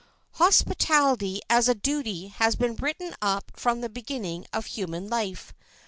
Hospitality as a duty has been written up from the beginning of human life.